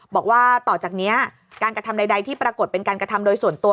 บอกว่าต่อจากนี้การกระทำใดที่ปรากฏเป็นการกระทำโดยส่วนตัว